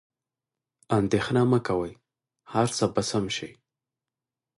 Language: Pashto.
اندیښنه مه کوئ، هر څه به سم شي.